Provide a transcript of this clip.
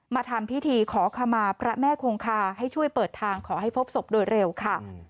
มาทำพิธีขอขมาพระแม่คงคาให้ช่วยเปิดทางขอให้พบศพโดยเร็วค่ะ